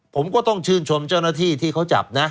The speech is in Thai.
ผมก็ต้องชื่นชมเจ้าหน้าที่ที่เขาจับนะ